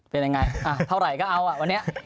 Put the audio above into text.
เป็นยังไงเท่าไหร่ก็เอาวันนี้